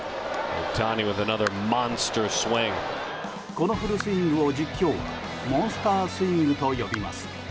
このフルスイングを実況はモンスタースイングと呼びます。